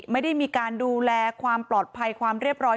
ไม่ได้มีการดูแลความปลอดภัยความเรียบร้อย